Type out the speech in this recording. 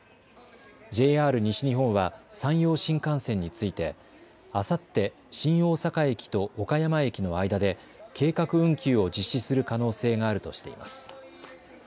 ＪＲ西日本は山陽新幹線についてあさって新大阪駅と岡山駅の間で計画運休を実施する可能性があるとしています。